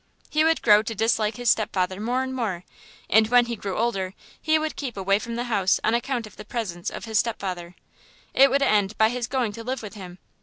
He would grow to dislike his stepfather more and more; and when he grew older he would keep away from the house on account of the presence of his stepfather; it would end by his going to live with him.